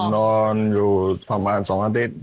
นอนอยู่ประมาณ๒อาทิตย์